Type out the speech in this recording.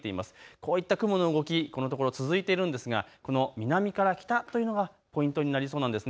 こういった雲の動き、このところ続いているんですが南から北というのがポイントになりそうです。